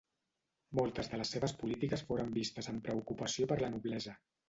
Moltes de les seves polítiques foren vistes amb preocupació per la noblesa.